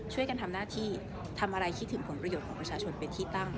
ช่วยกันทำหน้าที่ทำอะไรคิดถึงผลประโยชน์ของประชาชนเป็นที่ตั้ง